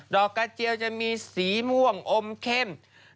อกกระเจียวจะมีสีม่วงอมเข้ม